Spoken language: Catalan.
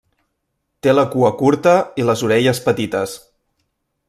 Té la cua curta i les orelles petites.